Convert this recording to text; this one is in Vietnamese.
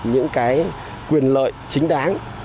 những cái quyền lợi chính đáng